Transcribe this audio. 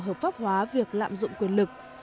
hợp pháp hóa việc lạm dụng quyền lực